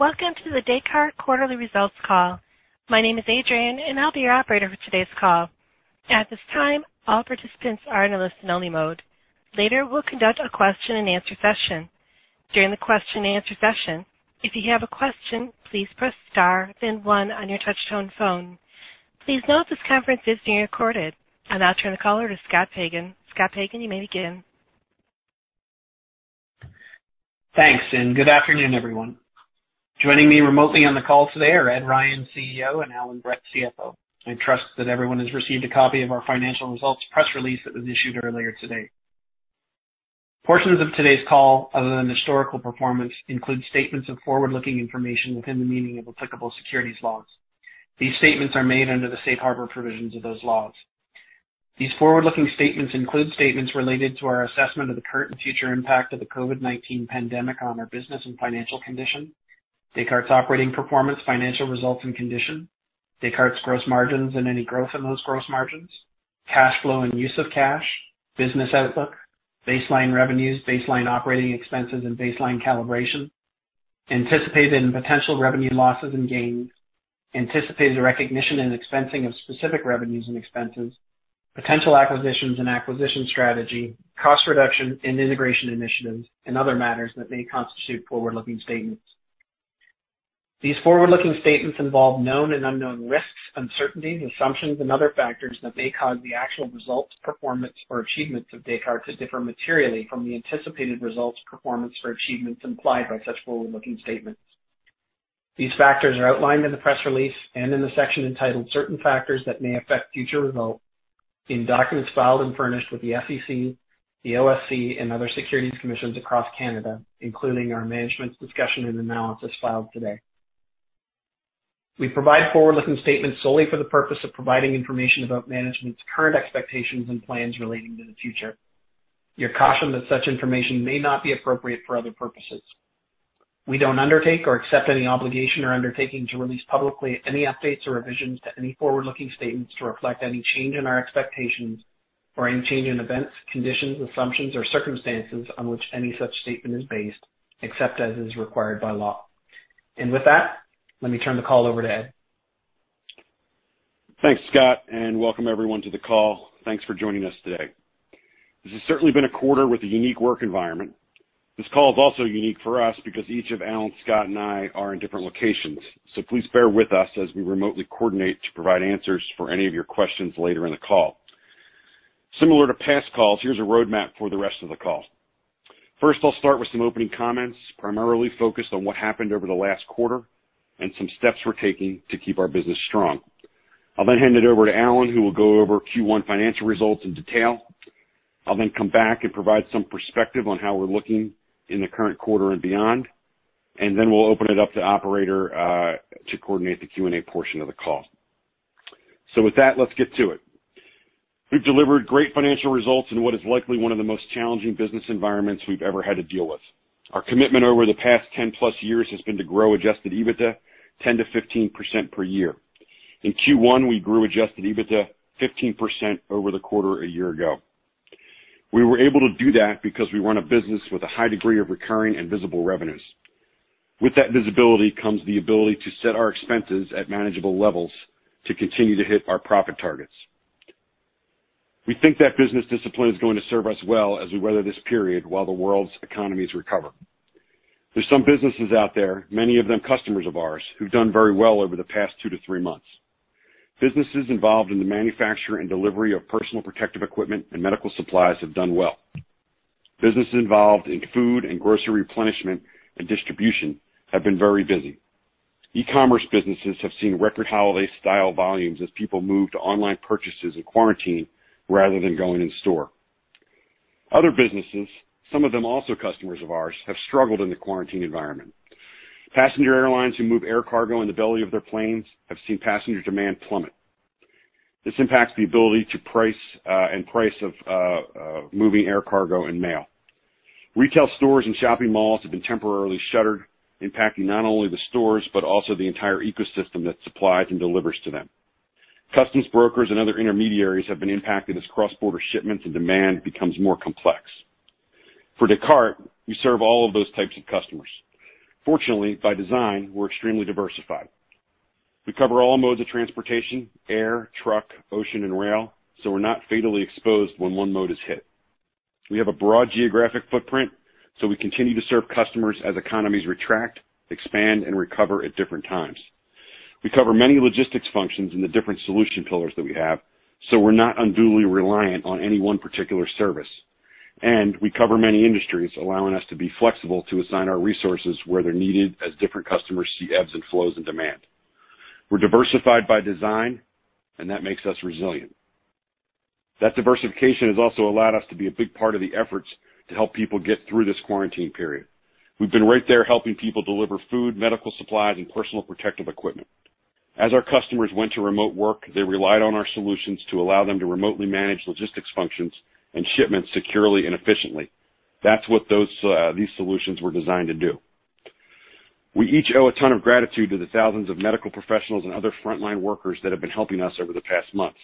Welcome to the Descartes quarterly results call. My name is Adrian, and I'll be your operator for today's call. At this time, all participants are in a listen-only mode. Later, we'll conduct a question-and-answer session. During the question-and-answer session, if you have a question, please press star then one on your touch-tone phone. Please note this conference is being recorded. I'll now turn the call to Scott Pagan. Scott Pagan, you may begin. Thanks, and good afternoon, everyone. Joining me remotely on the call today are Ed Ryan, CEO, and Allan Brett, CFO. I trust that everyone has received a copy of our financial results press release that was issued earlier today. Portions of today's call, other than historical performance, include statements of forward-looking information within the meaning of applicable securities laws. These statements are made under the safe harbor provisions of those laws. These forward-looking statements include statements related to our assessment of the current and future impact of the COVID-19 pandemic on our business and financial condition, Descartes' operating performance, financial results, and condition, Descartes' gross margins and any growth in those gross margins, cash flow and use of cash, business outlook, baseline revenues, baseline operating expenses, and baseline calibration, anticipated and potential revenue losses and gains, anticipated recognition and expensing of specific revenues and expenses, potential acquisitions and acquisition strategy, cost reduction and integration initiatives, and other matters that may constitute forward-looking statements. These forward-looking statements involve known and unknown risks, uncertainties, assumptions, and other factors that may cause the actual results, performance, or achievements of Descartes to differ materially from the anticipated results, performance, or achievements implied by such forward-looking statements. These factors are outlined in the press release and in the section entitled Certain Factors that May Affect Future Results in documents filed and furnished with the SEC, the OSC, and other securities commissions across Canada, including our management's discussion and analysis filed today. We provide forward-looking statements solely for the purpose of providing information about management's current expectations and plans relating to the future. You're cautioned that such information may not be appropriate for other purposes. We don't undertake or accept any obligation or undertaking to release publicly any updates or revisions to any forward-looking statements to reflect any change in our expectations or any change in events, conditions, assumptions, or circumstances on which any such statement is based, except as is required by law. With that, let me turn the call over to Ed. Thanks, Scott, and welcome everyone to the call. Thanks for joining us today. This has certainly been a quarter with a unique work environment. This call is also unique for us because each of Allan, Scott, and I are in different locations. Please bear with us as we remotely coordinate to provide answers for any of your questions later in the call. Similar to past calls, here's a roadmap for the rest of the call. First, I'll start with some opening comments, primarily focused on what happened over the last quarter and some steps we're taking to keep our business strong. I'll then hand it over to Allan, who will go over Q1 financial results in detail. I will then come back and provide some perspective on how we are looking in the current quarter and beyond, and then we will open it up to the operator to coordinate the Q&A portion of the call. With that, let's get to it. We have delivered great financial results in what is likely one of the most challenging business environments we have ever had to deal with. Our commitment over the past 10+ years has been to grow adjusted EBITDA 10%-15% per year. In Q1, we grew adjusted EBITDA 15% over the quarter a year ago. We were able to do that because we run a business with a high degree of recurring and visible revenues. With that visibility comes the ability to set our expenses at manageable levels to continue to hit our profit targets. We think that business discipline is going to serve us well as we weather this period while the world's economies recover. There's some businesses out there, many of them customers of ours, who've done very well over the past two to three months. Businesses involved in the manufacture and delivery of personal protective equipment and medical supplies have done well. Businesses involved in food and grocery replenishment and distribution have been very busy. E-commerce businesses have seen record holiday-style volumes as people move to online purchases and quarantine rather than going in-store. Other businesses, some of them also customers of ours, have struggled in the quarantine environment. Passenger airlines that move air cargo in the belly of their planes have seen passenger demand plummet. This impacts the ability to price and price of moving air cargo and mail. Retail stores and shopping malls have been temporarily shuttered, impacting not only the stores but also the entire ecosystem that supplies and delivers to them. Customs brokers and other intermediaries have been impacted as cross-border shipments and demand become more complex. For Descartes, we serve all of those types of customers. Fortunately, by design, we're extremely diversified. We cover all modes of transportation, air, truck, ocean, and rail, so we're not fatally exposed when one mode is hit. We have a broad geographic footprint, so we continue to serve customers as economies retract, expand, and recover at different times. We cover many logistics functions in the different solution pillars that we have, so we're not unduly reliant on any one particular service. We cover many industries, allowing us to be flexible to assign our resources where they're needed as different customers see ebbs and flows in demand. We're diversified by design, that makes us resilient. That diversification has also allowed us to be a big part of the efforts to help people get through this quarantine period. We've been right there helping people deliver food, medical supplies, and personal protective equipment. As our customers went to remote work, they relied on our solutions to allow them to remotely manage logistics functions and shipments securely and efficiently. That's what these solutions were designed to do. We each owe a ton of gratitude to the thousands of medical professionals and other frontline workers that have been helping us over the past months.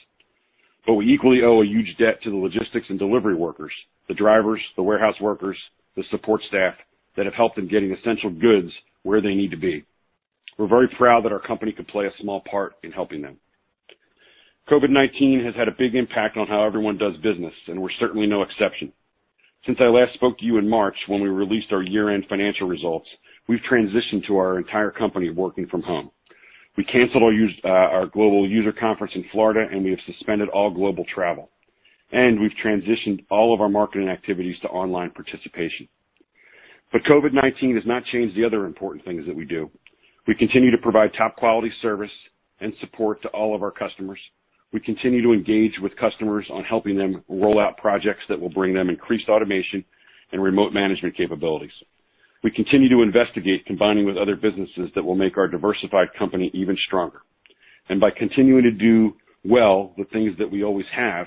We equally owe a huge debt to the logistics and delivery workers, the drivers, the warehouse workers, the support staff who have helped in getting essential goods where they need to be. We're very proud that our company could play a small part in helping them. COVID-19 has had a big impact on how everyone does business, and we're certainly no exception. Since I last spoke to you in March, when we released our year-end financial results, we've transitioned to our entire company working from home. We canceled our global user conference in Florida, and we have suspended all global travel. We've transitioned all of our marketing activities to online participation. COVID-19 has not changed the other important things that we do. We continue to provide top-quality service and support to all of our customers. We continue to engage with customers on helping them roll out projects that will bring them increased automation and remote management capabilities. We continue to investigate combining with other businesses that will make our diversified company even stronger. By continuing to do well the things that we always have,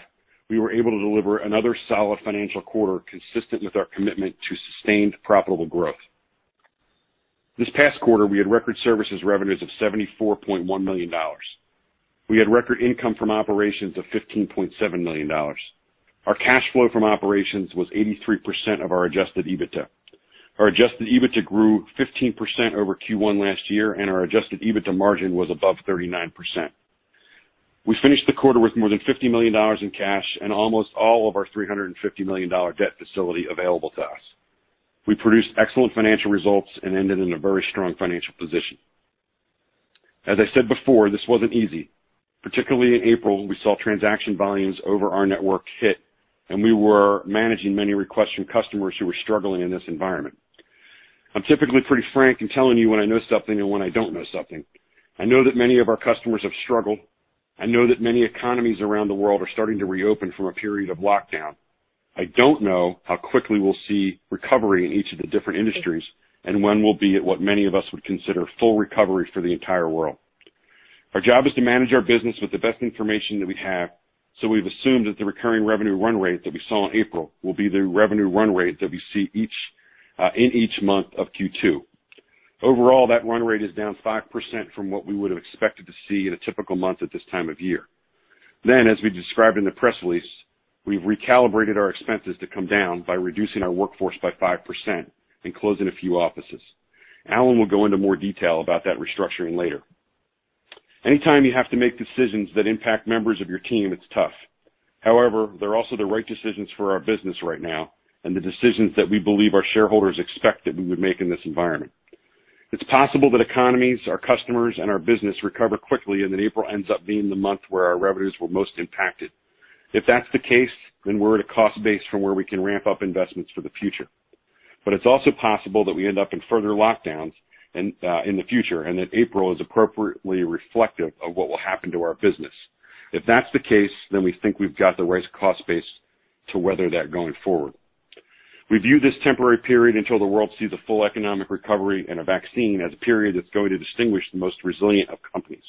we were able to deliver another solid financial quarter consistent with our commitment to sustained profitable growth. This past quarter, we had record services revenues of $74.1 million. We had record income from operations of $15.7 million. Our cash flow from operations was 83% of our adjusted EBITDA. Our adjusted EBITDA grew 15% over Q1 last year, and our adjusted EBITDA margin was above 39%. We finished the quarter with more than $50 million in cash and almost all of our $350 million debt facility available to us. We produced excellent financial results and ended in a very strong financial position. As I said before, this wasn't easy. Particularly in April, we saw transaction volumes over our network hit, and we were managing many requests from customers who were struggling in this environment. I'm typically pretty frank in telling you when I know something and when I don't know something. I know that many of our customers have struggled. I know that many economies around the world are starting to reopen from a period of lockdown. I don't know how quickly we'll see recovery in each of the different industries, and when we'll be at what many of us would consider full recovery for the entire world. Our job is to manage our business with the best information that we have. We've assumed that the recurring revenue run rate that we saw in April will be the revenue run rate that we see in each month of Q2. Overall, that run rate is down 5% from what we would have expected to see in a typical month at this time of year. As we described in the press release, we've recalibrated our expenses to come down by reducing our workforce by 5% and closing a few offices. Allan will go into more detail about that restructuring later. Anytime you have to make decisions that impact members of your team, it's tough. However, they're also the right decisions for our business right now, and the decisions that we believe our shareholders expect that we would make in this environment. It's possible that economies, our customers, and our business recover quickly, and that April ends up being the month where our revenues were most impacted. If that's the case, then we're at a cost base from where we can ramp up investments for the future. It's also possible that we end up in further lockdowns in the future and that April is appropriately reflective of what will happen to our business. If that's the case, then we think we've got the right cost base to weather that going forward. We view this temporary period until the world sees a full economic recovery and a vaccine as a period that's going to distinguish the most resilient of companies.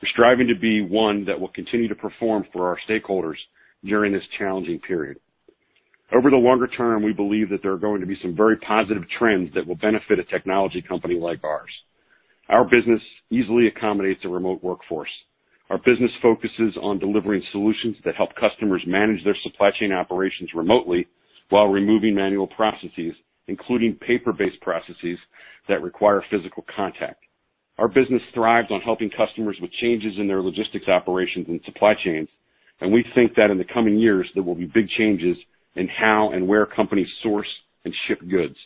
We're striving to be one that will continue to perform for our stakeholders during this challenging period. Over the longer term, we believe that there are going to be some very positive trends that will benefit a technology company like ours. Our business easily accommodates a remote workforce. Our business focuses on delivering solutions that help customers manage their supply chain operations remotely while removing manual processes, including paper-based processes that require physical contact. Our business thrives on helping customers with changes in their logistics operations and supply chains. We think that in the coming years, there will be big changes in how and where companies source and ship goods.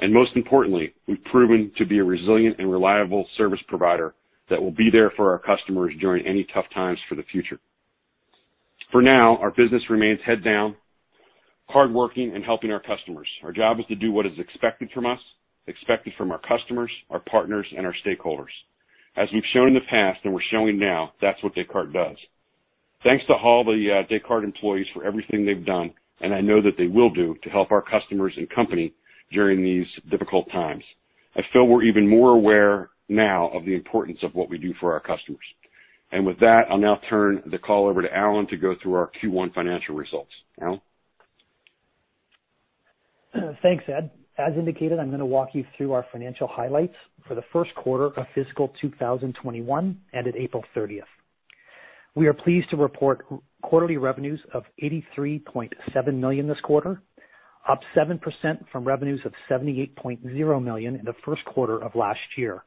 Most importantly, we've proven to be a resilient and reliable service provider that will be there for our customers during any tough times for the future. For now, our business remains head down, hardworking, and helping our customers. Our job is to do what is expected from us, expected from our customers, our partners, and our stakeholders. As we've shown in the past and we're showing now, that's what Descartes does. Thanks to all the Descartes employees for everything they've done, and I know that they will do to help our customers and company during these difficult times. I feel we're even more aware now of the importance of what we do for our customers. With that, I'll now turn the call over to Allan to go through our Q1 financial results. Allan? Thanks, Ed. As indicated, I'm going to walk you through our financial highlights for the first quarter of fiscal 2021, ended April 30th. We are pleased to report quarterly revenues of $83.7 million this quarter, up 7% from revenues of $78.0 million in the first quarter of last year.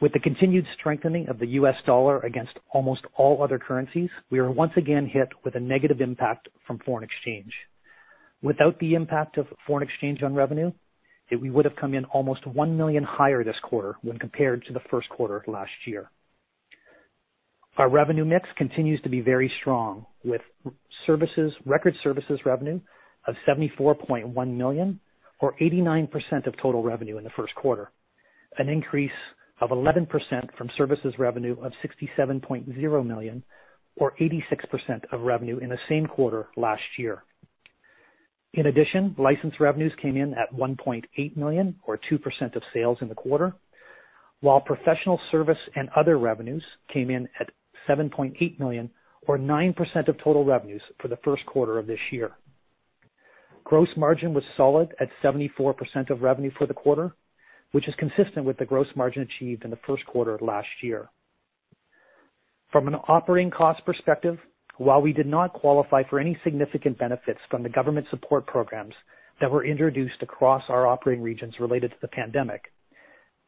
With the continued strengthening of the U.S. dollar against almost all other currencies, we are once again hit with a negative impact from foreign exchange. Without the impact of foreign exchange on revenue, we would have come in almost $1 million higher this quarter when compared to the first quarter of last year. Our revenue mix continues to be very strong, with record services revenue of $74.1 million or 89% of total revenue in the first quarter, an increase of 11% from services revenue of $67.0 million or 86% of revenue in the same quarter last year. In addition, license revenues came in at $1.8 million or 2% of sales in the quarter, while professional service and other revenues came in at $7.8 million or 9% of total revenues for the first quarter of this year. Gross margin was solid at 74% of revenue for the quarter, which is consistent with the gross margin achieved in the first quarter of last year. From an operating cost perspective, while we did not qualify for any significant benefits from the government support programs that were introduced across our operating regions related to the pandemic,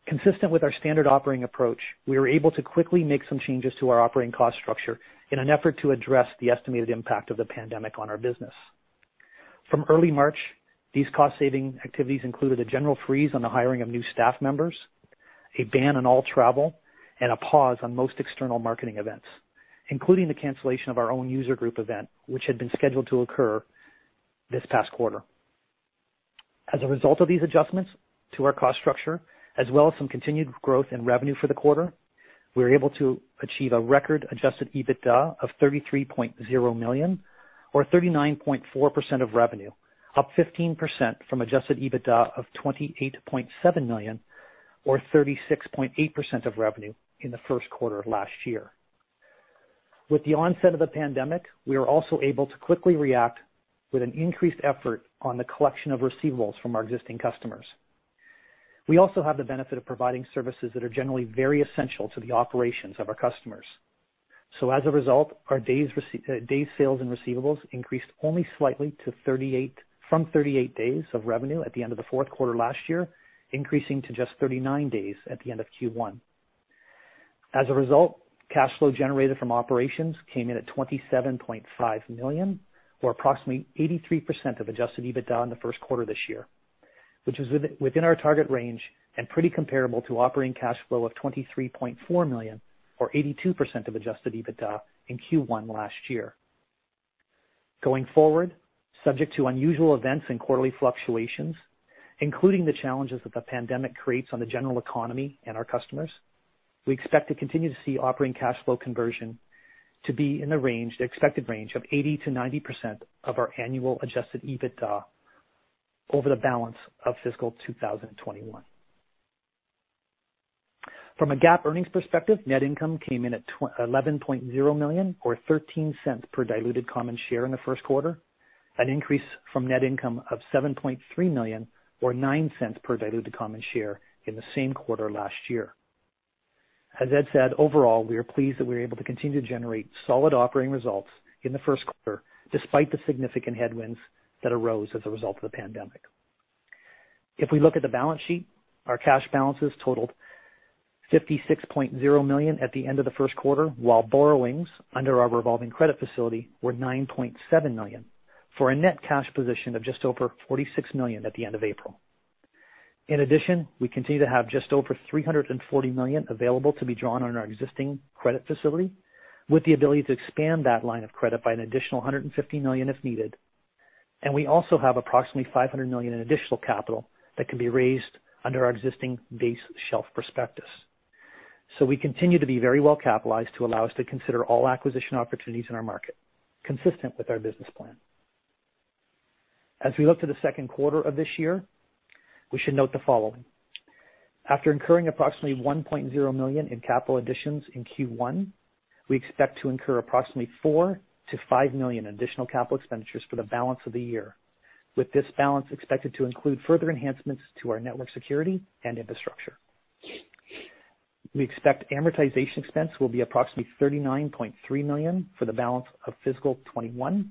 consistent with our standard operating approach, we were able to quickly make some changes to our operating cost structure in an effort to address the estimated impact of the pandemic on our business. From early March, these cost-saving activities included a general freeze on the hiring of new staff members, a ban on all travel, and a pause on most external marketing events, including the cancellation of our own user group event, which had been scheduled to occur this past quarter. As a result of these adjustments to our cost structure, as well as some continued growth in revenue for the quarter, we were able to achieve a record adjusted EBITDA of $33.0 million, or 39.4% of revenue, up 15% from the adjusted EBITDA of $28.7 million, or 36.8% of revenue in the first quarter of last year. With the onset of the pandemic, we were also able to quickly react with an increased effort on the collection of receivables from our existing customers. We also have the benefit of providing services that are generally very essential to the operations of our customers. As a result, our days sales in receivables increased only slightly from 38 days of revenue at the end of the fourth quarter last year, increasing to just 39 days at the end of Q1. As a result, cash flow generated from operations came in at $27.5 million, or approximately 83% of adjusted EBITDA in the first quarter of this year, which is within our target range and pretty comparable to the operating cash flow of $23.4 million or 82% of adjusted EBITDA in Q1 last year. Going forward, subject to unusual events and quarterly fluctuations, including the challenges that the pandemic creates on the general economy and our customers, we expect to continue to see operating cash flow conversion to be in the expected range of 80%-90% of our annual adjusted EBITDA over the balance of fiscal 2021. From a GAAP earnings perspective, net income came in at $11.0 million or $0.13 per diluted common share in the first quarter, an increase from net income of $7.3 million or $0.09 per diluted common share in the same quarter last year. As Ed said, overall, we are pleased that we are able to continue to generate solid operating results in the first quarter, despite the significant headwinds that arose as a result of the pandemic. If we look at the balance sheet, our cash balances totaled $56.0 million at the end of the first quarter, while borrowings under our revolving credit facility were $9.7 million, for a net cash position of just over $46 million at the end of April. In addition, we continue to have just over $340 million available to be drawn on our existing credit facility, with the ability to expand that line of credit by an additional $150 million if needed. We also have approximately $500 million in additional capital that can be raised under our existing base shelf prospectus. We continue to be very well capitalized, to allow us to consider all acquisition opportunities in our market consistent with our business plan. We look to the second quarter of this year, we should note the following. After incurring approximately $1.0 million in capital additions in Q1, we expect to incur approximately $4 million-$5 million additional capital expenditures for the balance of the year. With this balance is expected to include further enhancements to our network security and infrastructure. We expect amortization expense will be approximately $39.3 million for the balance of fiscal 2021,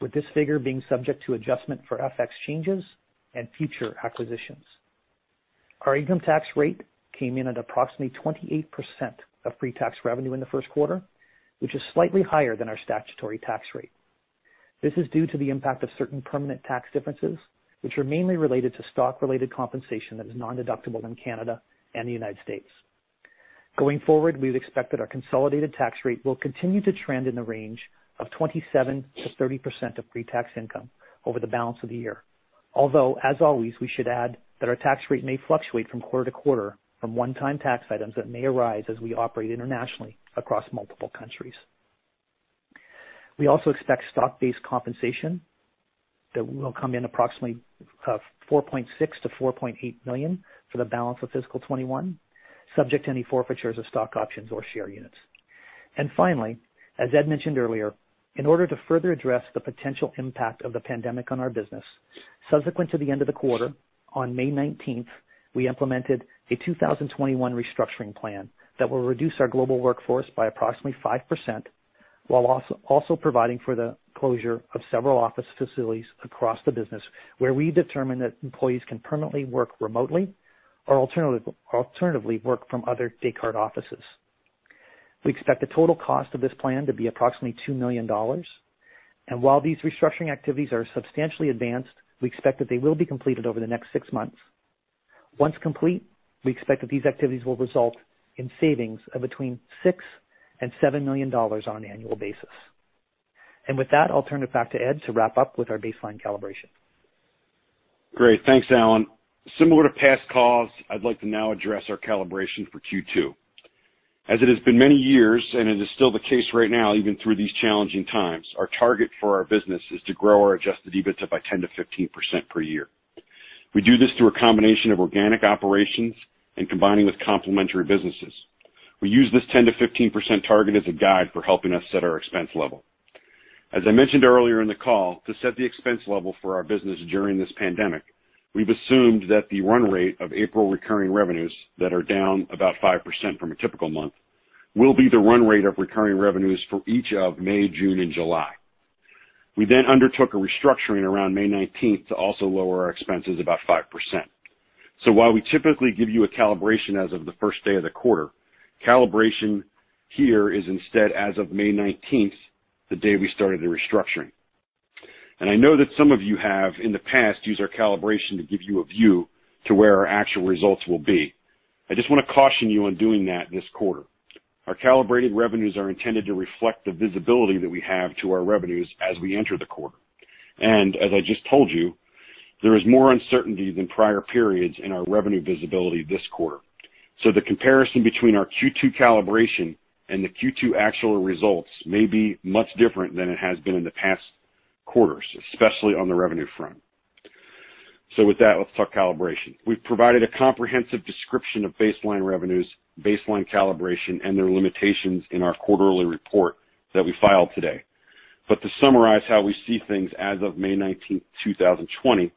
with this figure being subject to adjustment for FX changes and future acquisitions. Our income tax rate came in at approximately 28% of pre-tax revenue in the first quarter, which is slightly higher than our statutory tax rate. This is due to the impact of certain permanent tax differences, which are mainly related to stock-related compensation that is non-deductible in Canada and the U.S. Going forward, we expected our consolidated tax rate will continue to trend in the range of 27%-30% of pre-tax income over the balance of the year. As always, we should add that our tax rate may fluctuate from quarter-to-quarter from one-time tax items that may arise as we operate internationally across multiple countries. We also expect stock-based compensation that will come in approximately $4.6 million-$4.8 million for the balance of fiscal 2021, subject to any forfeitures of stock options or share units. Finally, as Ed mentioned earlier, in order to further address the potential impact of the pandemic on our business, subsequent to the end of the quarter, on May 19th, we implemented a 2021 restructuring plan that will reduce our global workforce by approximately 5% while also providing for the closure of several office facilities across the business where we determine that employees can permanently work remotely or alternatively work from other Descartes offices. We expect the total cost of this plan to be approximately $2 million. While these restructuring activities are substantially advanced, we expect that they will be completed over the next six months. Once complete, we expect that these activities will result in savings of between $6 and $7 million on an annual basis. With that, I'll turn it back to Ed to wrap up with our baseline calibration. Great. Thanks, Allan. Similar to past calls, I'd like to now address our calibration for Q2. As it has been many years, and it is still the case right now, even through these challenging times, our target for our business is to grow our adjusted EBITDA by 10%-15% per year. We do this through a combination of organic operations and combining with complementary businesses. We use this 10%-15% target as a guide for helping us set our expense level. As I mentioned earlier in the call, to set the expense level for our business during this pandemic, we've assumed that the run rate of April recurring revenues that are down about 5% from a typical month, will be the run rate of recurring revenues for each of May, June, and July. We undertook a restructuring around May 19th to also lower our expenses by about 5%. While we typically give you a calibration as of the first day of the quarter, calibration here is instead as of May 19th, the day we started the restructuring. I know that some of you have, in the past, used our calibration to give you a view to where our actual results will be. I just want to caution you on doing that this quarter. Our calibrated revenues are intended to reflect the visibility that we have to our revenues as we enter the quarter. As I just told you, there is more uncertainty than in prior periods in our revenue visibility this quarter. The comparison between our Q2 calibration and the Q2 actual results may be much different than it has been in the past quarters, especially on the revenue front. With that, let's talk calibration. We've provided a comprehensive description of baseline revenues, baseline calibration, and their limitations in our quarterly report that we filed today. To summarize how we see things as of May 19th, 2020,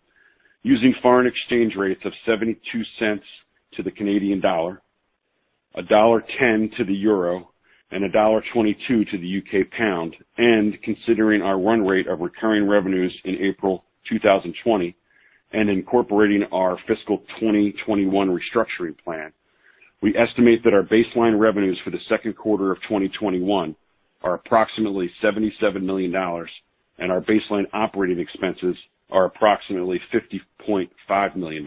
using foreign exchange rates of $0.72 to the Canadian dollar, $1.10 to the euro, and $1.22 to the U.K pound, and considering our run rate of recurring revenues in April 2020 and incorporating our fiscal 2021 restructuring plan, we estimate that our baseline revenues for the second quarter of 2021 are approximately $77 million, and our baseline operating expenses are approximately $50.5 million.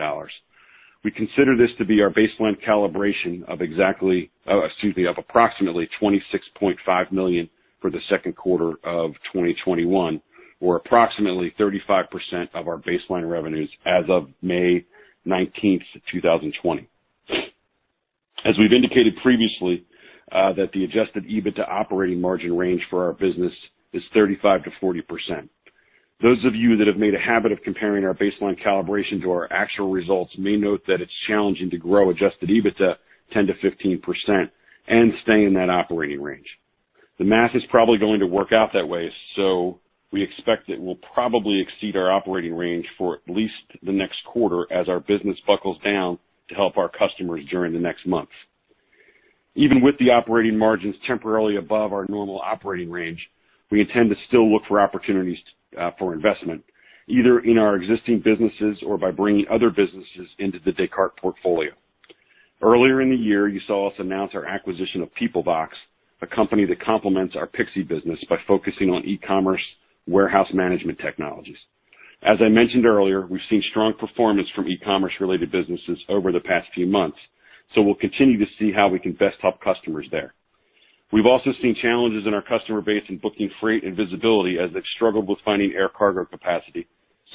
We consider this to be our baseline calibration of approximately $26.5 million for the second quarter of 2021, or approximately 35% of our baseline revenues as of May 19th, 2020. As we've indicated previously, that the adjusted EBITDA operating margin range for our business is 35%-40%. Those of you that have made a habit of comparing our baseline calibration to our actual results may note that it's challenging to grow adjusted EBITDA 10%-15% and stay in that operating range. The math is probably going to work out that way, so we expect that we'll probably exceed our operating range for at least the next quarter as our business buckles down to help our customers during the next months. Even with the operating margins temporarily above our normal operating range, we intend to still look for opportunities for investment, either in our existing businesses or by bringing other businesses into the Descartes portfolio. Earlier in the year, you saw us announce our acquisition of Peoplevox, a company that complements our Pixi business by focusing on e-commerce warehouse management technologies. As I mentioned earlier, we've seen strong performance from e-commerce-related businesses over the past few months, so we'll continue to see how we can best help customers there. We've also seen challenges in our customer base in booking freight and visibility, as they've struggled with finding air cargo capacity.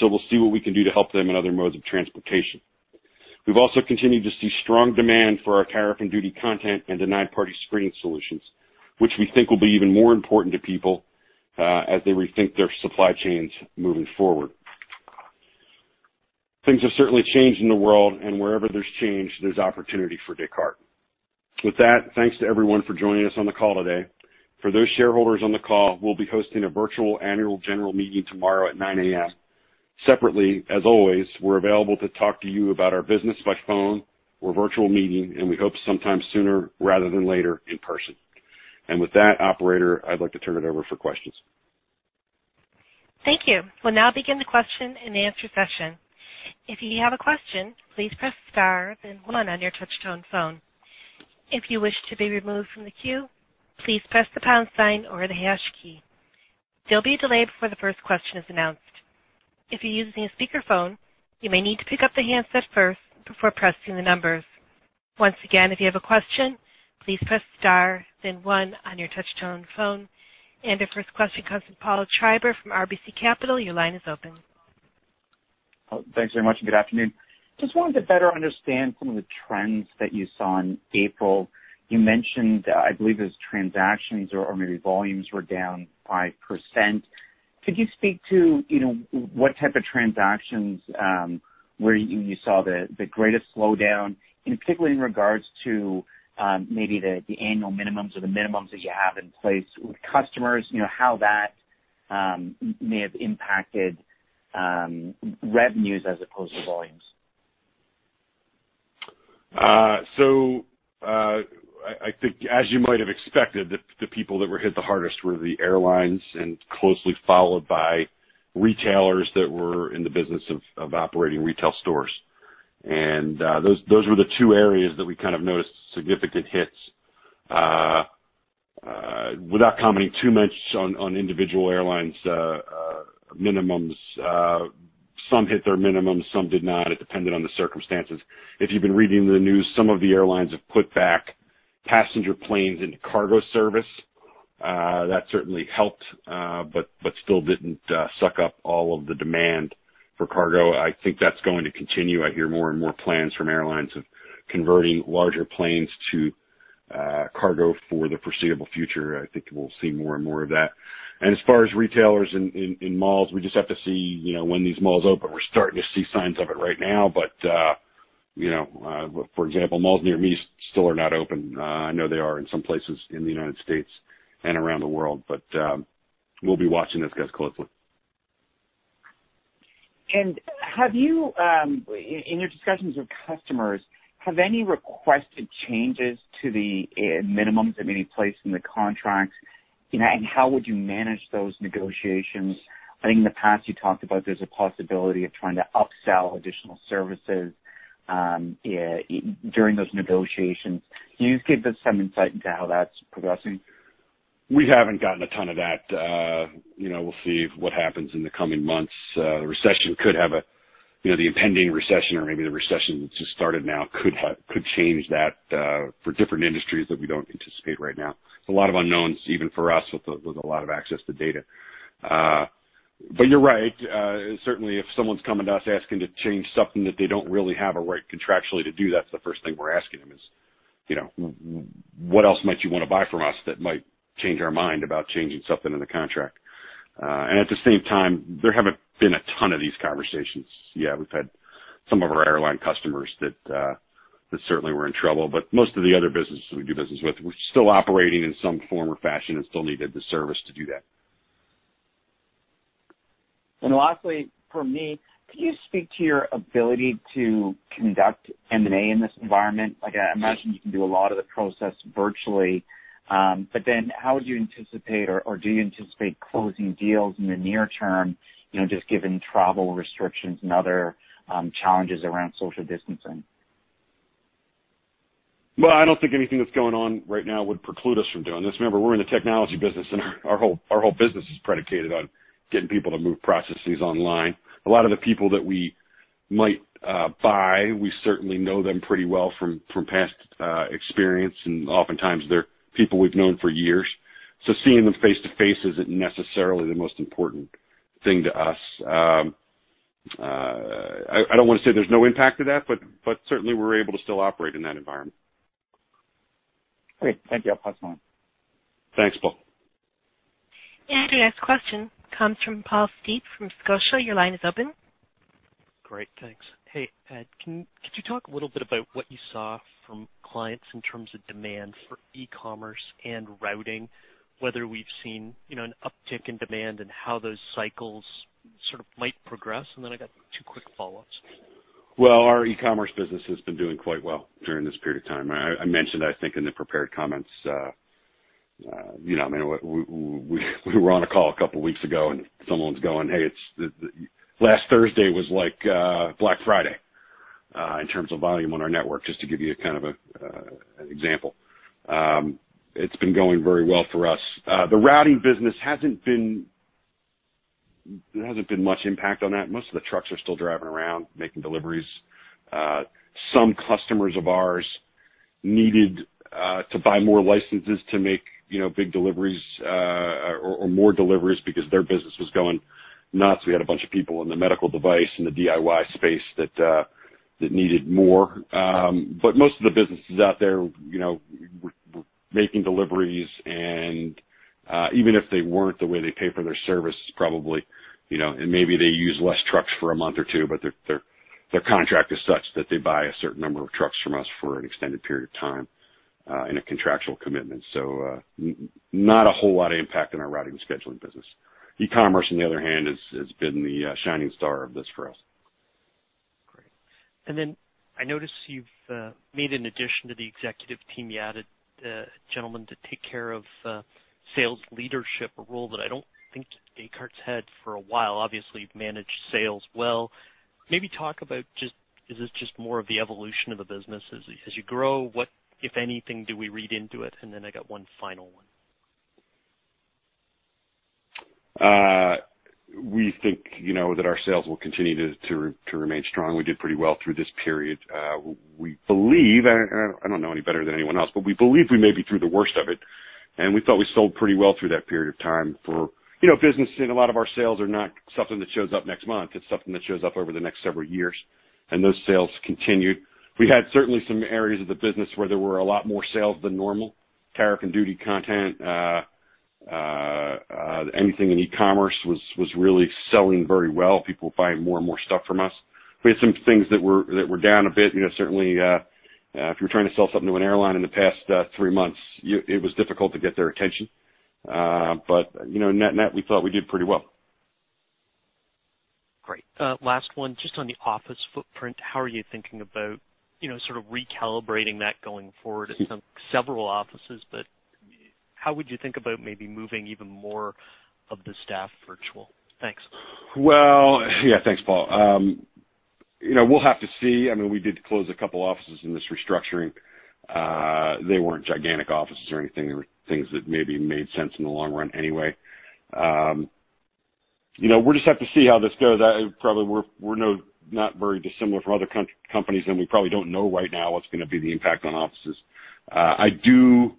We'll see what we can do to help them in other modes of transportation. We've also continued to see strong demand for our tariff and duty content and the third-party screening solutions, which we think will be even more important to people as they rethink their supply chains moving forward. Things have certainly changed in the world, and wherever there's change, there's opportunity for Descartes. With that, thanks to everyone for joining us on the call today. For those shareholders on the call, we'll be hosting a virtual annual general meeting tomorrow at 9:00 A.M. Separately, as always, we're available to talk to you about our business by phone or virtual meeting, and we hope sometime sooner rather than later in person. With that, operator, I'd like to turn it over for questions. Thank you. We'll now begin the question-and-answer session. If you have a question, please press star then one on your touch-tone phone. If you wish to be removed from the queue, please press the pound sign or the hash key. There'll be a delay before the first question is announced. If you're using a speakerphone, you may need to pick up the handset first before pressing the numbers. Once again, if you have a question, please press star then one on your touch-tone phone. Our first question comes from Paul Treiber from RBC Capital Markets. Your line is open. Thanks very much. Good afternoon. Just wanted to better understand some of the trends that you saw in April. You mentioned, I believe it was transactions or maybe volumes were down 5%. Could you speak to what type of transactions where you saw the greatest slowdown, and particularly in regards to, maybe the annual minimums or the minimums that you have in place with customers, how that may have impacted revenues as opposed to volumes? I think, as you might have expected, the people that were hit the hardest were the airlines and, closely followed by retailers that were in the business of operating retail stores. Those were the two areas that we kind of noticed significant hits. Without commenting too much on individual airlines' minimums, some hit their minimums, some did not. It depended on the circumstances. If you've been reading the news, some of the airlines have put back passenger planes into cargo service. That certainly helped, but still didn't suck up all of the demand for cargo. I think that's going to continue. I hear more and more plans from airlines of converting larger planes to cargo for the foreseeable future. I think we'll see more and more of that. As far as retailers in malls, we just have to see when these malls open. We're starting to see signs of it right now. For example, malls near me still are not open. I know they are in some places in the United States and around the world, but we'll be watching this, guys, closely. In your discussions with customers, have any requested changes to the minimums that may be placed in the contracts? How would you manage those negotiations? I think in the past you talked about there's a possibility of trying to upsell additional services during those negotiations. Can you give us some insight into how that's progressing? We haven't gotten a ton of that. We'll see what happens in the coming months. The impending recession, or maybe the recession that's just started now, could change that for different industries that we don't anticipate right now. There's a lot of unknowns, even for us, with a lot of access to data. You're right. Certainly, if someone's coming to us asking to change something that they don't really have a right contractually to do, that's the first thing we're asking them is, "What else might you want to buy from us that might change our mind about changing something in the contract?" At the same time, there haven't been a ton of these conversations yet. We've had some of our airline customers who certainly were in trouble. Most of the other businesses we do business with were still operating in some form or fashion and still needed the service to do that. Lastly from me, could you speak to your ability to conduct M&A in this environment? I imagine you can do a lot of the process virtually. How would you anticipate, or do you anticipate closing deals in the near term, just given travel restrictions and other challenges around social distancing? Well, I don't think anything that's going on right now would preclude us from doing this. Remember, we're in the technology business, and our whole business is predicated on getting people to move processes online. A lot of the people that we might buy, we certainly know them pretty well from past experience, and oftentimes they're people we've known for years. Seeing them face to face isn't necessarily the most important thing to us. I don't want to say there's no impact to that, but certainly we're able to still operate in that environment. Great. Thank you. I'll pass along. Thanks, Paul. Your next question comes from Paul Steep from Scotiabank. Your line is open. Great. Thanks. Hey, Ed, could you talk a little bit about what you saw from clients in terms of demand for e-commerce and routing, whether we've seen an uptick in demand, and how those cycles sort of might progress? I got two quick follow-ups. Well, our e-commerce business has been doing quite well during this period of time. I mentioned, I think, in the prepared comments. We were on a call a couple of weeks ago, and someone's going, "Hey, last Thursday was like Black Friday," in terms of volume on our network, just to give you kind of an example. It's been going very well for us. The routing business, there hasn't been much impact on that. Most of the trucks are still driving around, making deliveries. Some customers of ours needed to buy more licenses to make big deliveries or more deliveries because their business was going nuts. We had a bunch of people in the medical device and the DIY space that, they needed more. Most of the businesses out there were making deliveries, and even if they weren't, the way they pay for their service is probably, and maybe they use less trucks for a month or two, but their contract is such that they buy a certain number of trucks from us for an extended period of time in a contractual commitment. Not a whole lot of impact on our routing and scheduling business. E-commerce, on the other hand, has been the shining star of this for us. Great. I noticed you've made an addition to the executive team. You added a gentleman to take care of sales leadership, a role that I don't think Descartes had for a while. Obviously, you've managed sales well. Maybe talk about, is this just more of the evolution of the business? As you grow, what, if anything, do we read into it? I got one final one. We think that our sales will continue to remain strong. We did pretty well through this period. We believe, and I don't know any better than anyone else, but we believe we may be through the worst of it, and we thought we sold pretty well through that period of time for business. A lot of our sales are not something that shows up next month. It's something that shows up over the next several years, and those sales continued. We certainly had some areas of the business where there were a lot more sales than normal. Tariff and duty content, anything in e-commerce was really selling very well. People buying more and more stuff from us. We had some things that were down a bit. Certainly, if you were trying to sell something to an airline in the past three months, it was difficult to get their attention. Net-net, we thought we did pretty well. Great. Last one, just on the office footprint, how are you thinking about sort of recalibrating that going forward? Several offices, but how would you think about maybe moving even more of the staff virtual? Thanks. Well, yeah. Thanks, Paul. We'll have to see. We did close a couple of offices in this restructuring. They weren't gigantic offices or anything. They were things that maybe made sense in the long run anyway. We'll just have to see how this goes. Probably, we're not very dissimilar from other companies, and we probably don't know right now what the impact on offices will be.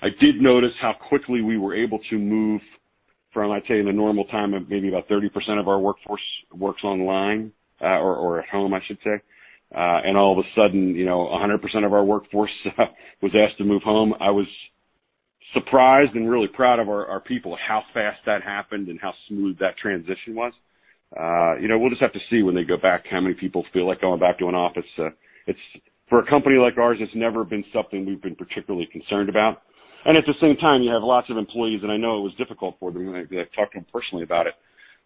I did notice how quickly we were able to move from, I'd say, in the normal time of maybe about 30% of our workforce works online or at home, I should say. All of a sudden, 100% of our workforce was asked to move home. I was surprised and really proud of our people, how fast that happened, and how smooth that transition was. We'll just have to see when they go back, and how many people feel like going back to an office. For a company like ours, it's never been something we've been particularly concerned about. At the same time, you have lots of employees, and I know it was difficult for them, and I've talked to them personally about it,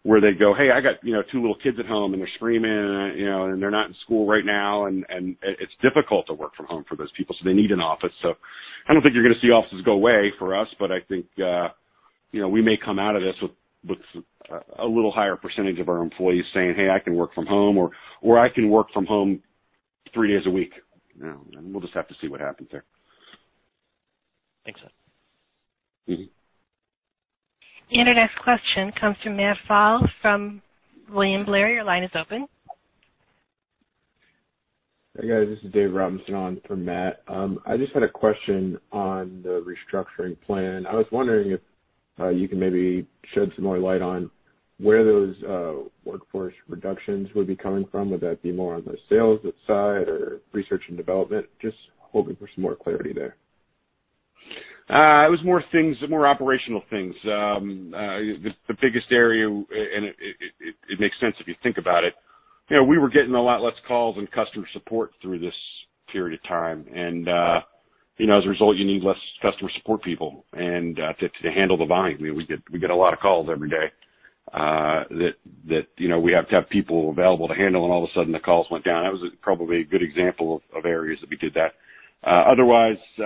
where they go, "Hey, I got two little kids at home, and they're screaming, and they're not in school right now." It's difficult to work from home for those people, so they need an office. I don't think you're going to see offices go away for us, but I think we may come out of this with a little higher percentage of our employees saying, "Hey, I can work from home," or, "I can work from home three days a week." We'll just have to see what happens there. Thanks, Ed. Our next question comes from Matt Pfau from William Blair. Your line is open. Hey, guys. This is Dave Robinson on for Matt. I just had a question on the Restructuring Plan. I was wondering if you can maybe shed some more light on where those workforce reductions would be coming from. Would that be more on the sales side or research and development? Just hoping for some more clarity there. It was more operational things. The biggest area, it makes sense if you think about it. We were getting a lot less calls in customer support through this period of time. As a result, you need less customer support people to handle the volume. We get a lot of calls every day that we have to have people available to handle, and all of a sudden, the calls went down. That was probably a good example of areas that we did that. Otherwise, it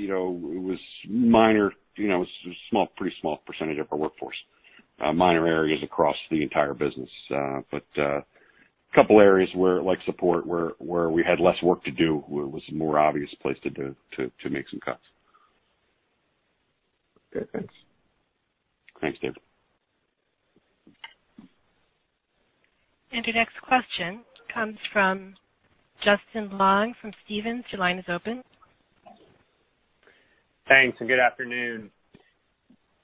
was minor, a pretty small percentage of our workforce. Minor areas across the entire business. A couple of areas where, like support, where we had less work to do, was a more obvious place to make some cuts. Okay, thanks. Thanks, Dave. The next question comes from Justin Long from Stephens. Your line is open. Thanks. Good afternoon.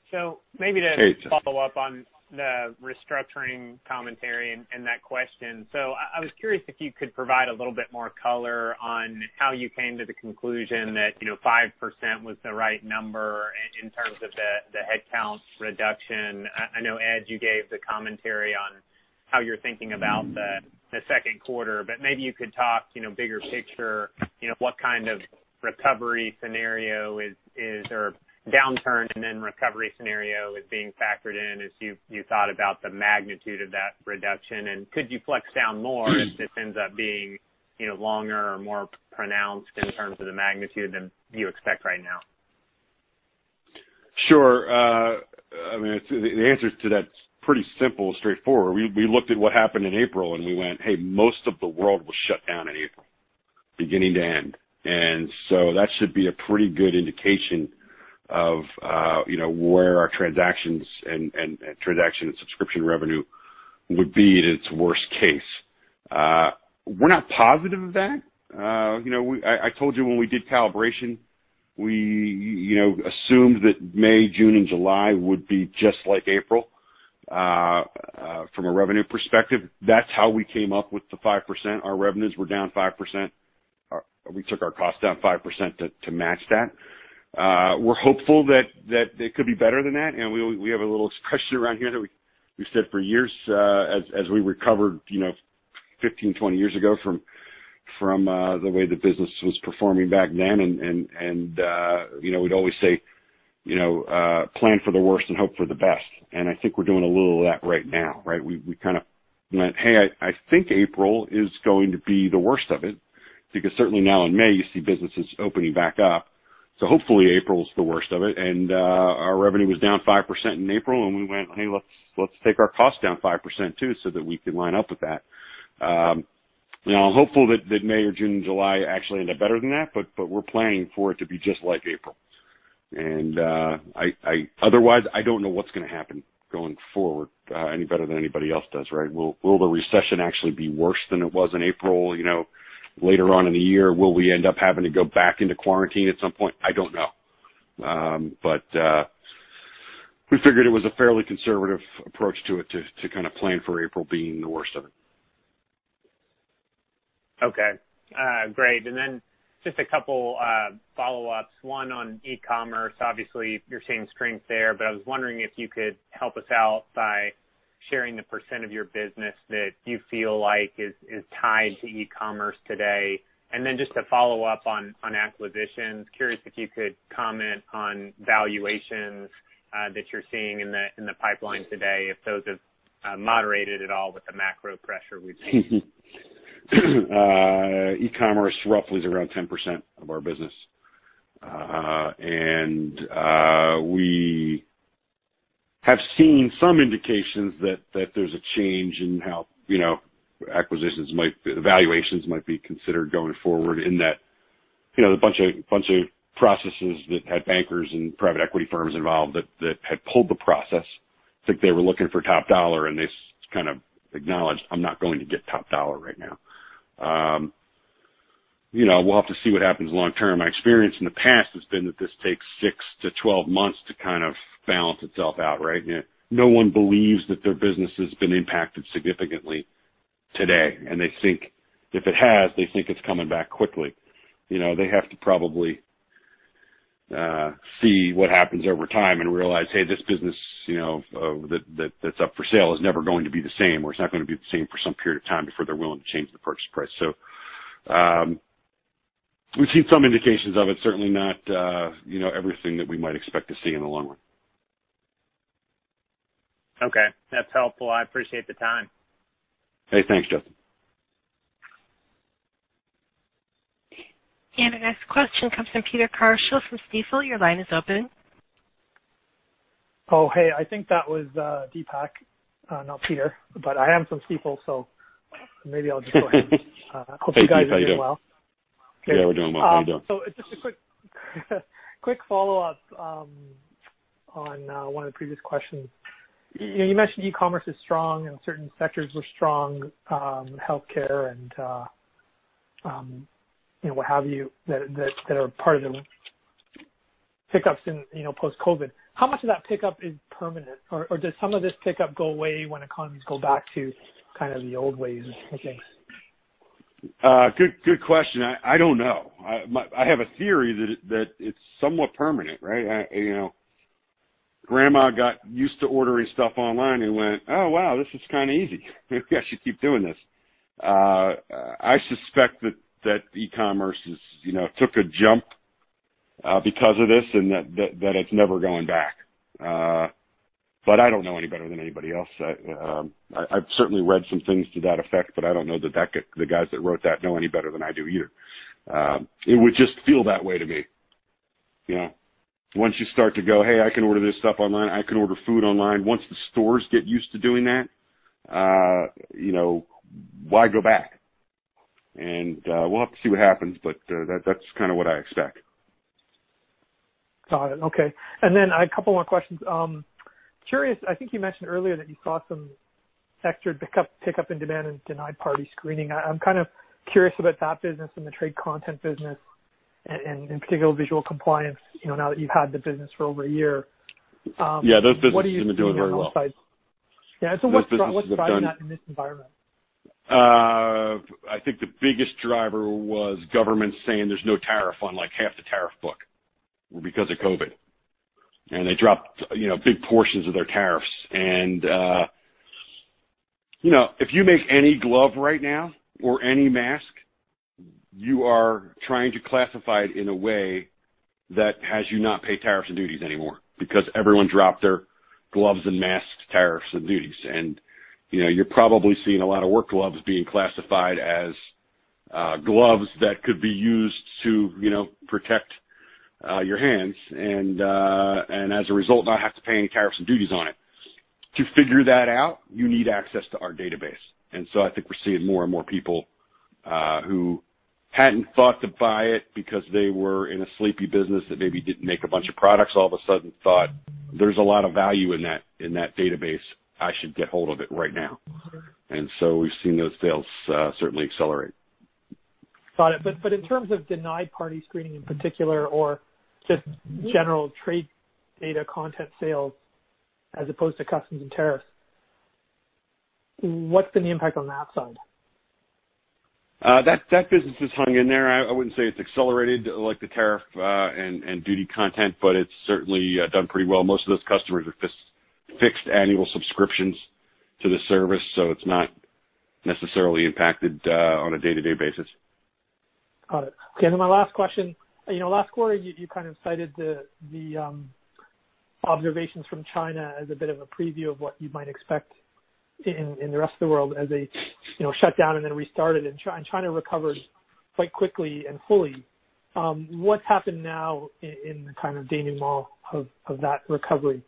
Hey, Justin. Maybe to follow up on the restructuring commentary and that question. I was curious if you could provide a little bit more color on how you came to the conclusion that 5% was the right number in terms of the headcount reduction. I know, Ed, you gave the commentary on how you're thinking about the second quarter, but maybe you could talk bigger picture, what kind of recovery scenario is or a downturn, and then the recovery scenario is being factored in as you thought about the magnitude of that reduction? Could you flex down more if this ends up being longer or more pronounced in terms of the magnitude than you expect right now? Sure. The answer to that is pretty simple and straightforward. We looked at what happened in April, and we went, "Hey, most of the world was shut down in April, beginning to end." That should be a pretty good indication of where our transactions and subscription revenue would be at its worst case. We're not positive of that. I told you when we did calibration, we assumed that May, June, and July would be just like April from a revenue perspective. That's how we came up with the 5%. Our revenues were down 5%. We took our cost down 5% to match that. We're hopeful that it could be better than that, and we have a little expression around here that we've said for years as we recovered 15-20 years ago from the way the business was performing back then. We'd always say, "Plan for the worst and hope for the best." I think we're doing a little of that right now, right? We kind of went, "Hey, I think April is going to be the worst of it." Certainly, now in May, you see businesses opening back up. Hopefully, April's the worst of it. Our revenue was down 5% in April, and we went, "Hey, let's take our cost down 5% too, so that we can line up with that." I'm hopeful that May or June, July actually end up better than that, but we're planning for it to be just like April. Otherwise, I don't know what's going to happen going forward any better than anybody else does, right? Will the recession actually be worse than it was in April? Later on in the year, will we end up having to go back into quarantine at some point? I don't know. We figured it was a fairly conservative approach to it to kind of plan for April being the worst of it. Okay. Great. Just a couple of follow-ups. One on e-commerce. Obviously, you're seeing strength there, but I was wondering if you could help us out by sharing the percentage of your business that you feel like is tied to e-commerce today. Just to follow up on acquisitions, curious if you could comment on valuations that you're seeing in the pipeline today, if those have moderated at all with the macro pressure we've seen. E-commerce roughly is around 10% of our business. We have seen some indications that there's a change in how valuations might be considered going forward, in that a bunch of processes that had bankers and private equity firms involved that had pulled the process. I think they were looking for top dollar, and they kind of acknowledged, "I'm not going to get top dollar right now." We'll have to see what happens long term. My experience in the past has been that this takes 6-12 months to kind of balance itself out, right? No one believes that their business has been impacted significantly today, and they think if it has, they think it's coming back quickly. They have to probably see what happens over time and realize, hey, this business that's up for sale is never going to be the same, or it's not going to be the same for some period of time before they're willing to change the purchase price. We've seen some indications of it, certainly not everything that we might expect to see in the long run. Okay. That's helpful. I appreciate the time. Hey, thanks, Justin. Our next question comes from Deepak Kaushal from Stifel. Your line is open. Oh, hey. I think that was Deepak, not Peter, but I am from Stifel, so maybe I'll just go ahead. Hey, Deepak. How are you doing? Hope you guys are doing well. Yeah, we're doing well. How are you doing? Just a quick follow-up on one of the previous questions. You mentioned e-commerce is strong and certain sectors were strong, healthcare, and what have you, that are part of the pickups in post-COVID. How much of that pickup is permanent? Does some of this pickup go away when economies go back to kind of the old ways of things? Good question. I don't know. I have a theory that it's somewhat permanent, right? Grandma got used to ordering stuff online and went, "Oh, wow, this is kind of easy. Maybe I should keep doing this." I suspect that e-commerce took a jump because of this and that it's never going back. I don't know any better than anybody else. I've certainly read some things to that effect, but I don't know that the guys that wrote that know any better than I do, either. It would just feel that way to me. Once you start to go, "Hey, I can order this stuff online. I can order food online." Once the stores get used to doing that, why go back? We'll have to see what happens, but that's kind of what I expect. Got it. Okay. A couple more questions. Curious, I think you mentioned earlier that you saw some sector pickup in demand in denied party screening. I'm kind of curious about that business and the trade content business, and in particular, Visual Compliance, now that you've had the business for over a year. Yeah, those businesses have been doing very well. Yeah. What's driving that in this environment? I think the biggest driver was the government saying there's no tariff on half the tariff book because of COVID. They dropped big portions of their tariffs. If you make any glove right now or any mask, you are trying to classify it in a way that has you not pay tariffs and duties anymore because everyone dropped their gloves and masks tariffs and duties. You're probably seeing a lot of work gloves being classified as gloves that could be used to protect your hands, and as a result, not have to pay any tariffs and duties on it. To figure that out, you need access to our database, and so I think we're seeing more and more people who hadn't thought to buy it because they were in a sleepy business that maybe didn't make a bunch of products, all of a sudden thought, "There's a lot of value in that database. I should get hold of it right now." We've seen those sales certainly accelerate. Got it. In terms of denied party screening in particular, or just general trade data content sales as opposed to customs and tariffs, what's been the impact on that side? That business is hanging in there. I wouldn't say it's accelerated like the tariff and duty content, but it's certainly done pretty well. Most of those customers are fixed annual subscriptions to the service, so it's not necessarily impacted on a day-to-day basis. Got it. Okay, my last question. Last quarter, you kind of cited the observations from China as a bit of a preview of what you might expect in the rest of the world as they shut down and then restarted, and China recovered quite quickly and fully. What's happened now in the kind of demand lull of that recovery?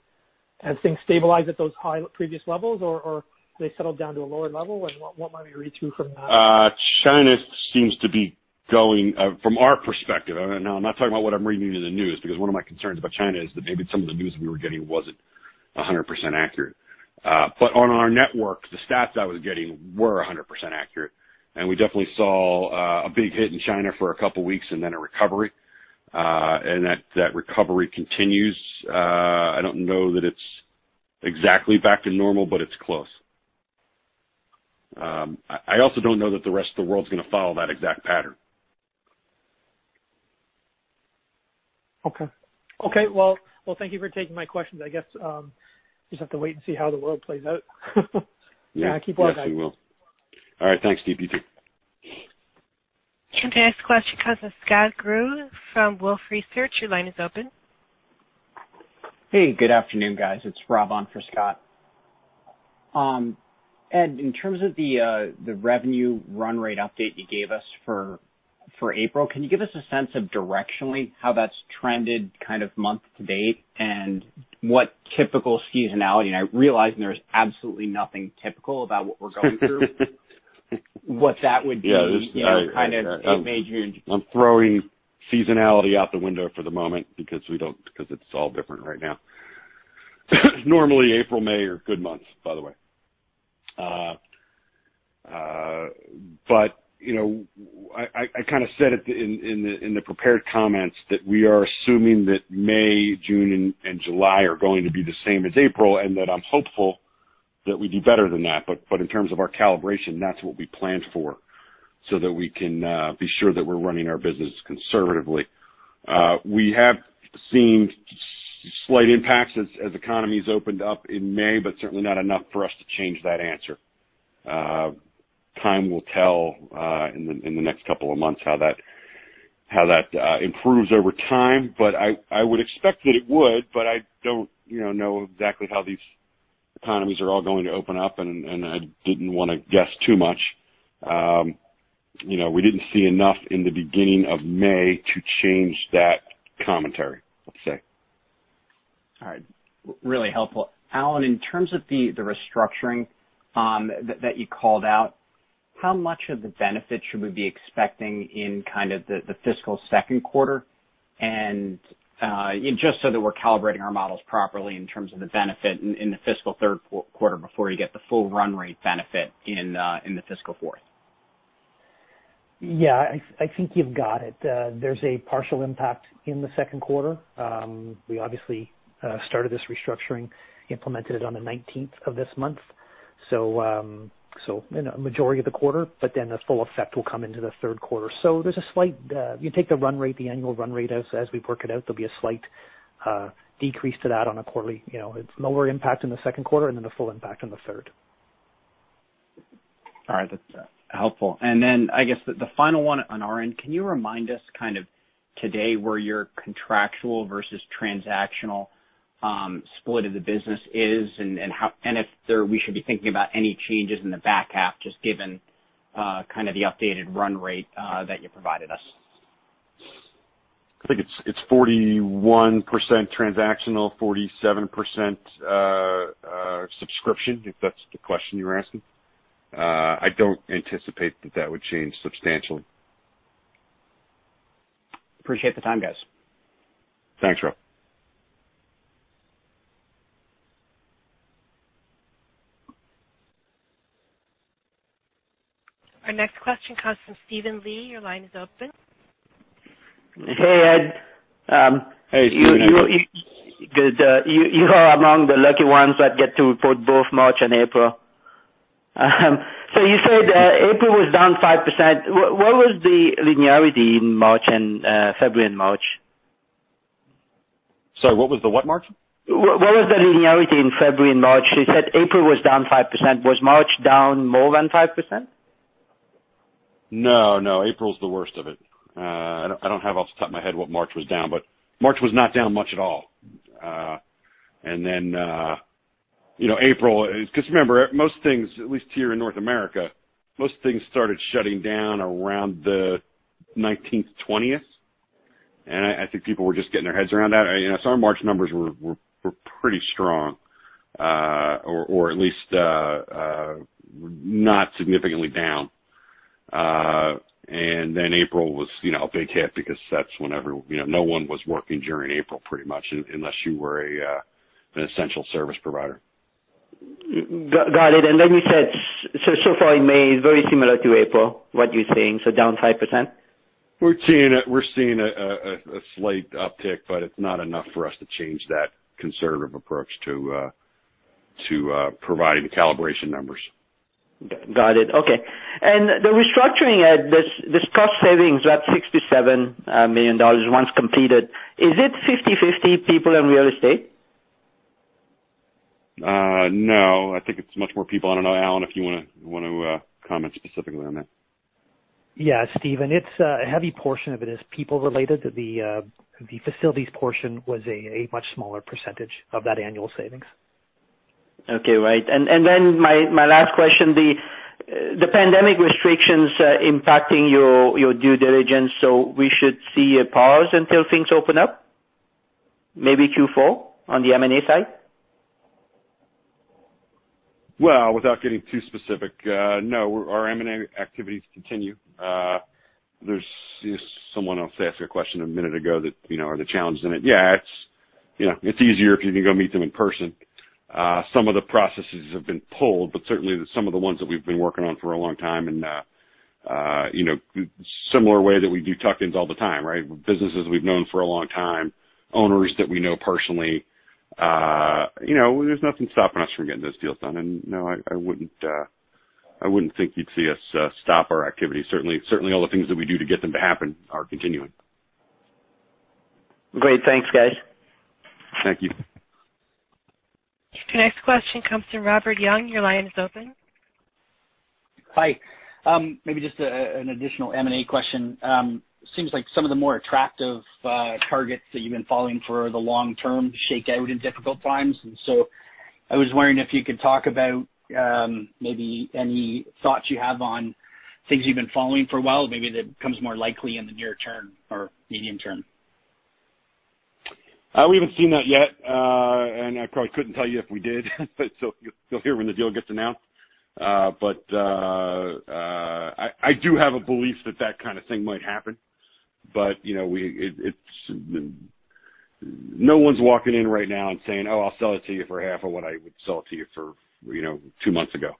Have things stabilized at those high previous levels, or have they settled down to a lower level? What might we read through from that? China seems to be going. From our perspective, I'm not talking about what I'm reading in the news, because one of my concerns about China is that maybe some of the news we were getting wasn't 100% accurate. On our network, the stats I was getting were 100% accurate, and we definitely saw a big hit in China for a couple of weeks and then a recovery, and that recovery continues. I don't know that it's exactly back to normal, but it's close. I also don't know that the rest of the world's going to follow that exact pattern. Okay. Well, thank you for taking my questions. I guess we just have to wait and see how the world plays out. Yeah. Keep well, guys. Yes, we will. All right, thanks, Steve. You too. Okay, our next question comes from Scott Group from Wolfe Research. Your line is open. Hey, good afternoon, guys. It's Rob on for Scott. Ed, in terms of the revenue run rate update you gave us for April, can you give us a sense of directionally how that's trended kind of month to date, and what the typical seasonality? I realize there's absolutely nothing typical about what we're going through. What would that be, kind of in May, June? I'm throwing seasonality out the window for the moment because it's all different right now. Normally, April, May are good months, by the way. I kind of said it in the prepared comments that we are assuming that May, June, and July are going to be the same as April, and that I'm hopeful that we do better than that. In terms of our calibration, that's what we planned for so that we can be sure that we're running our business conservatively. We have seen slight impacts as economies opened up in May, but certainly not enough for us to change that answer. Time will tell in the next couple of months how that improves over time. I would expect that it would, but I don't know exactly how these economies are all going to open up, and I didn't want to guess too much. We didn't see enough in the beginning of May to change that commentary, let's say. All right. Really helpful. Allan, in terms of the restructuring that you called out, how much of the benefit should we be expecting in kind of the fiscal second quarter? Just so that we're calibrating our models properly in terms of the benefit in the fiscal third quarter, before you get the full run rate benefit in the fiscal fourth. Yeah, I think you've got it. There's a partial impact in the second quarter. We obviously started this restructuring, implemented it on the 19th of this month. In the majority of the quarter, but then the full effect will come into the third quarter. There's a slight if you take the run rate, the annual run rate as we work it out, there'll be a slight decrease to that on a quarterly. It's a lower impact in the second quarter and then the full impact in the third. All right. That's helpful. Then I guess the final one on our end, can you remind us, kind of today, where your contractual versus transactional split of the business is, and if we should be thinking about any changes in the back half, just given kind of the updated run rate that you provided us? I think it's 41% transactional, 47% subscription, if that's the question you're asking. I don't anticipate that that would change substantially. Appreciate the time, guys. Thanks, Rob. Our next question comes from Steven Li. Your line is open. Hey, Ed. Hey, Steven. How are you? Good. You are among the lucky ones that get to report both March and April. You said April was down 5%. What was the linearity in February and March? Sorry, what was the what, Mark? What was the linearity in February and March? You said April was down 5%. Was March down more than 5%? No, April's the worst of it. I don't have off the top of my head what March was down, but March was not down much at all. April, because remember, most things, at least here in North America, most things started shutting down around the 19th, 20th. I think people were just getting their heads around that. Our March numbers were pretty strong, or at least not significantly down. April was a big hit because that's when no one was working during April, pretty much, unless you were an essential service provider. Got it. You said so far in May is very similar to April, what you're saying, so down 5%? We're seeing a slight uptick, but it's not enough for us to change that conservative approach to providing the calibration numbers. Got it. Okay. The restructuring, Ed, this cost savings at $67 million once completed, is it 50/50 people and real estate? No, I think it's much more people. I don't know, Allan, if you want to comment specifically on that. Yeah, Steven, a heavy portion of it is people-related. The facilities portion was a much smaller percentage of that annual savings. Okay. Right. My last question, the pandemic restrictions are impacting your due diligence, so we should see a pause until things open up, maybe Q4 on the M&A side? Well, without getting too specific, no, our M&A activities continue. Someone else asked you a question a minute ago that, are the challenges in it? Yeah, it's easier if you can go meet them in person. Some of the processes have been pulled, but certainly some of the ones that we've been working on for a long time, and similar way that we do tuck-ins all the time, right? Businesses we've known for a long time, owners that we know personally. There's nothing stopping us from getting those deals done. No, I wouldn't think you'd see us stop our activity. Certainly, all the things that we do to get them to happen are continuing. Great. Thanks, guys. Thank you. Your next question comes from Robert Young. Your line is open. Hi. Maybe just an additional M&A question. Seems like some of the more attractive targets that you've been following for the long term shake out in difficult times. I was wondering if you could talk about maybe any thoughts you have on things you've been following for a while, maybe that becomes more likely in the near term or medium term. We haven't seen that yet, and I probably couldn't tell you if we did, so you'll hear when the deal gets announced. I do have a belief that that kind of thing might happen. It's no one's walking in right now and saying, "Oh, I'll sell it to you for half of what I would sell it to you for two months ago."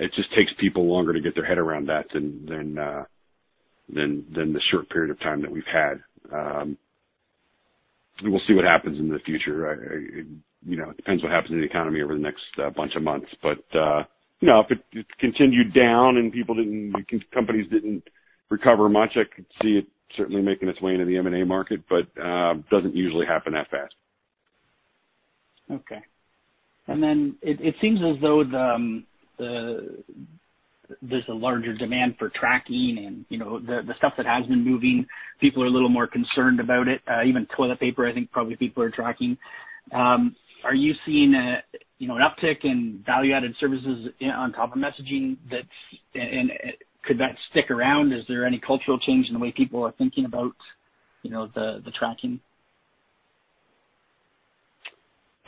It just takes people longer to get their head around that than the short period of time that we've had. We will see what happens in the future. It depends on what happens in the economy over the next bunch of months. If it continued down and companies didn't recover much, I could see it certainly making its way into the M&A market, but it doesn't usually happen that fast. Okay. Then it seems as though there's a larger demand for tracking, and the stuff that has been moving, people are a little more concerned about it. Even toilet paper, I think, people are probably tracking. Are you seeing an uptick in value-added services on top of messaging, and could that stick around? Is there any cultural change in the way people are thinking about the tracking?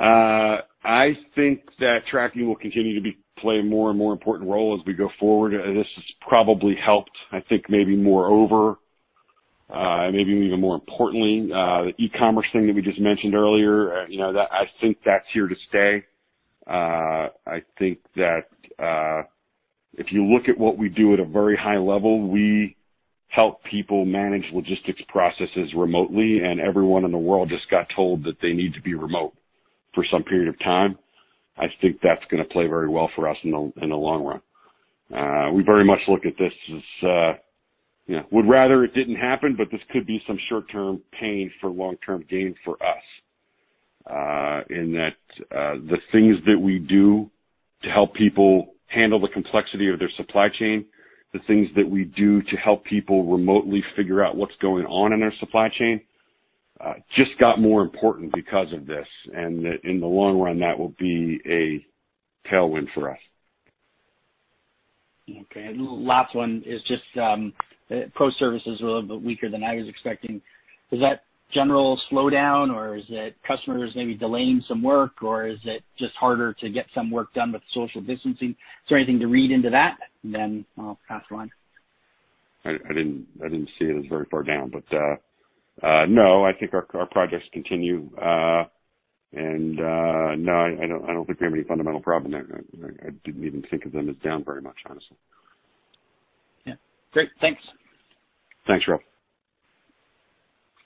I think that tracking will continue to play a more and more important role as we go forward. This has probably helped. I think maybe, moreover, maybe even more importantly, the e-commerce thing that we just mentioned earlier, I think that's here to stay. I think that if you look at what we do at a very high level, we help people manage logistics processes remotely, and everyone in the world just got told that they need to be remote for some period of time. I think that's going to play very well for us in the long run. We very much look at this as, we would rather it didn't happen, but this could be some short-term pain for long-term gain for us. In that the things that we do to help people handle the complexity of their supply chain, the things that we do to help people remotely figure out what's going on in their supply chain, just got more important because of this. In the long run, that will be a tailwind for us. Okay. The last one is just that pro services were a little bit weaker than I was expecting. Is that a general slowdown, or is it customers maybe delaying some work, or is it just harder to get some work done with social distancing? Is there anything to read into that? I'll pass it on. I didn't see it as very far down, but no, I think our projects continue. No, I don't think we have any fundamental problem there. I didn't even think of them as down very much, honestly. Yeah. Great. Thanks. Thanks, Rob.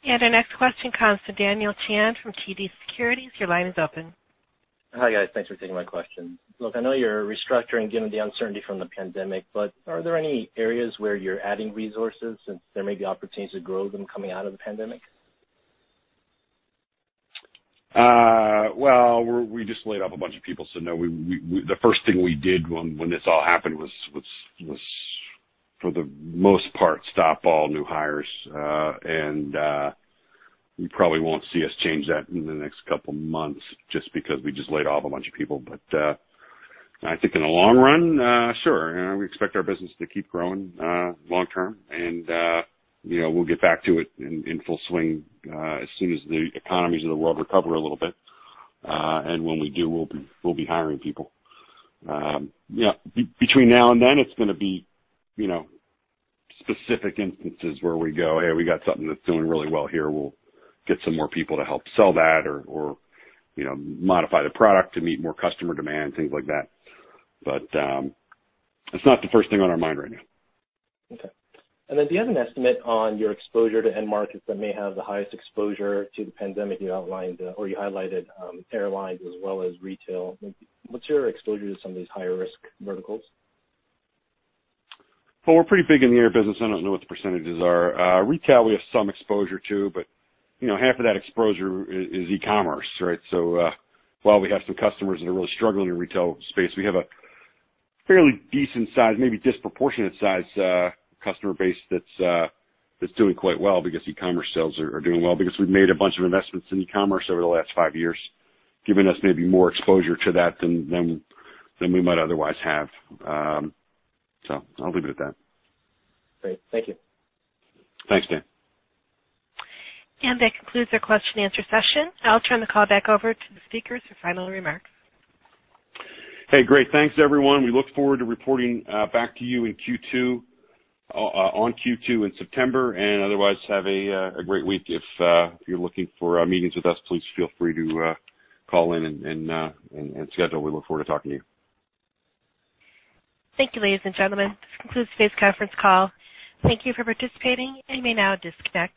Our next question comes from Daniel Chan from TD Securities. Your line is open. Hi, guys. Thanks for taking my question. Look, I know you're restructuring given the uncertainty from the pandemic, but are there any areas where you're adding resources, since there may be opportunities to grow them coming out of the pandemic? Well, we just laid off a bunch of people, so no. The first thing we did when this all happened was, for the most part, stop all new hires. You probably won't see us change that in the next couple of months, just because we just laid off a bunch of people. I think in the long run, sure. We expect our business to keep growing long-term, and we'll get back to it in full swing as soon as the economies of the world recover a little bit. When we do, we'll be hiring people. Between now and then, it's going to be specific instances where we go, "Hey, we got something that's doing really well here. We'll get some more people to help sell that or modify the product to meet more customer demand," things like that. It's not the first thing on our mind right now. Okay. Do you have an estimate on your exposure to end markets that may have the highest exposure to the pandemic? You outlined, or you highlighted, airlines as well as retail. What's your exposure to some of these higher-risk verticals? We're pretty big in the air business. I don't know what the percentages are. Retail, we have some exposure to, but half of that exposure is e-commerce, right? While we have some customers that are really struggling in retail space, we have a fairly decent size, maybe disproportionate size, customer base that's doing quite well because e-commerce sales are doing well, because we've made a bunch of investments in e-commerce over the last five years, giving us maybe more exposure to that than we might otherwise have. I'll leave it at that. Great. Thank you. Thanks, Dan. That concludes our question-and-answer session. I'll turn the call back over to the speakers for final remarks. Hey, great. Thanks, everyone. We look forward to reporting back to you in Q2, on Q2 in September. Otherwise, have a great week. If you're looking for meetings with us, please feel free to call in and schedule. We look forward to talking to you. Thank you, ladies and gentlemen. This concludes today's conference call. Thank you for participating, and you may now disconnect.